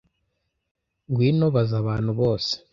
ngwino baza abantu bose